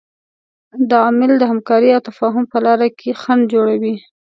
دا عامل د همکارۍ او تفاهم په لاره کې خنډ جوړوي.